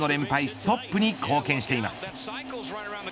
ストップに貢献しています。